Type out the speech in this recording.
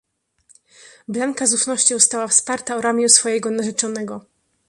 "Blanka z ufnością stała wsparta o ramię swojego narzeczonego."